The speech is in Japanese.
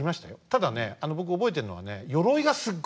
ただね僕覚えてるのはね